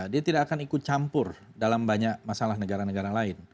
dia tidak akan ikut campur dalam banyak masalah negara negara lain